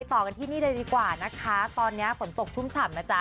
ต่อกันที่นี่เลยดีกว่านะคะตอนนี้ฝนตกชุ่มฉ่ำนะจ๊ะ